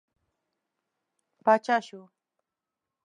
پاچا شو.